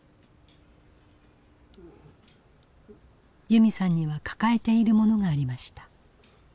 由美さんには抱えているものがありました。